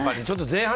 前半